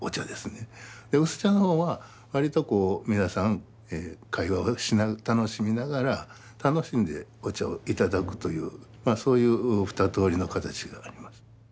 薄茶の方はわりと皆さん会話を楽しみながら楽しんでお茶をいただくというそういう二とおりの形があります。